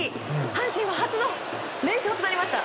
阪神は初の連勝となりました。